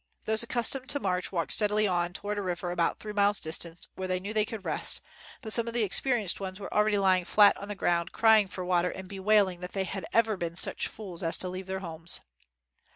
Those accustomed to march walked steadily on toward a river about three miles distant where they knew they could rest, but some of the inexperi enced ones were already lying flat on the ground crying for water and bewailing that they had ever been such fools as to leave their homes.